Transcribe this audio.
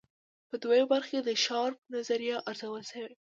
په دویمه برخه کې د شارپ نظریه ارزول شوې.